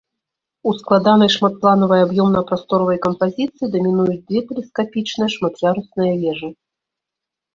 У складанай шматпланавай аб'ёмна-прасторавай кампазіцыі дамінуюць две тэлескапічныя шмат'ярусныя вежы.